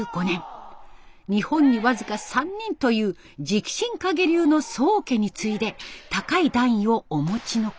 日本に僅か３人という直心影流の宗家に次いで高い段位をお持ちの方。